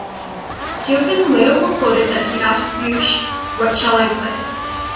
Serkin later reported that he asked Busch, What shall I play?